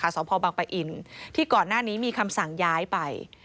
สพบังปะอินที่ก่อนหน้านี้มีคำสั่งย้ายไป